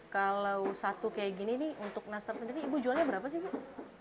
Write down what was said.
kalau satu kayak gini nih untuk nastar sendiri ibu jualnya berapa sih bu